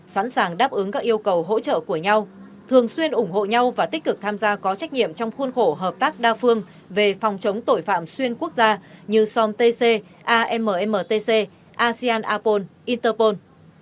sẵn sàng đáp ứng các yêu cầu hỗ trợ của nhau thường xuyên ủng hộ nhau và tích cực tham gia có trách nhiệm trong khuôn khổ hợp tác đa phương về phòng chống tội phạm xuyên quốc gia như somtc ammtc asean apol interpol